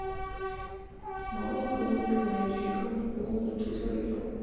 毛叶蒲公英为菊科蒲公英属下的一个种。